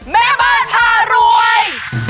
แม่บ้านพารวย